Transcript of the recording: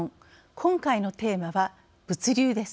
今回のテーマは「物流」です。